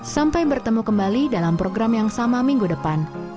sampai bertemu kembali dalam program yang sama minggu depan